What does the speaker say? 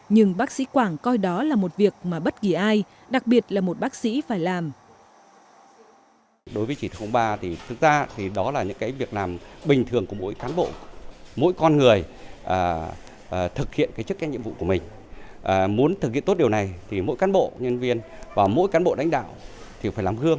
nhưng bác sĩ quảng coi đó là một việc mà bất kỳ ai đặc biệt là một bác sĩ phải làm